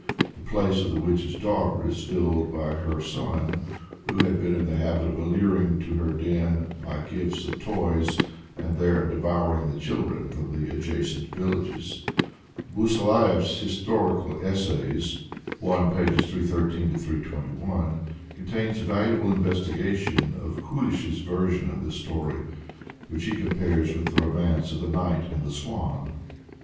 118), the place of the witch's daughter is filled by her son, who had been in the habit of alluring to her den by gifts of toys, and there devouring, the children from the adjacent villages. Buslaef's "Historical Essays," (i. pp. 313 321) contain a valuable investigation of Kulish's version of this story, which he compares with the romance of "The Knight of the Swan."